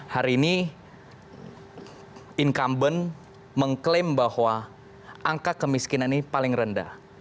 hari ini incumbent mengklaim bahwa angka kemiskinan ini paling rendah